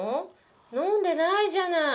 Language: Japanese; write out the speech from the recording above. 飲んでないじゃない。